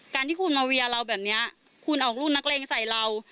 การที่คุณมาเวียเราแบบนี้คุณออกลูกนักเลงใส่เรา